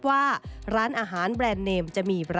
เป็นอย่างไรนั้นติดตามจากรายงานของคุณอัญชาฬีฟรีมั่วครับ